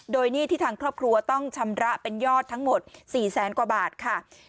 โดยหนี้ที่ทางครอบครัวต้องชำระเป็นยอดทั้งหมด๔แสนกว่าบาทค่ะ